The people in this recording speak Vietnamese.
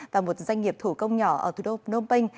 và một doanh nghiệp thủ công nhỏ ở thủ đô phnom penh